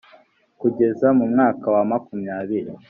kugeza mu mwaka wa makumyabiri